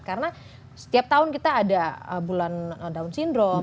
karena setiap tahun kita ada bulan down syndrome